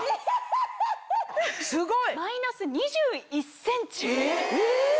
すごい！マイナス２１ｃｍ。